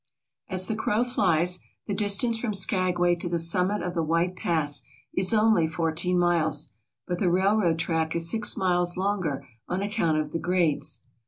As the crow flies, the distance from Skagway to the sum mit of the White Pass is only fourteen miles, but the rail road track is six miles longer on account of the grades.